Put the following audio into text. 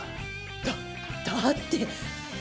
だだって。